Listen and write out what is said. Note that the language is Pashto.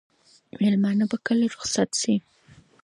مېلمانه به کله رخصت شي؟